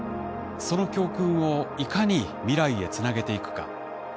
その教訓をいかに未来へつなげていくか。